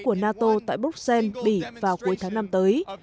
của nato tại bruxelles bỉ vào cuối tháng năm tới